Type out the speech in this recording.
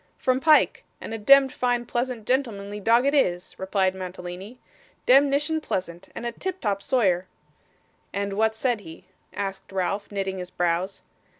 'From Pyke; and a demd, fine, pleasant, gentlemanly dog it is,' replied Mantalini. 'Demnition pleasant, and a tip top sawyer.' 'And what said he?' asked Ralph, knitting his brows.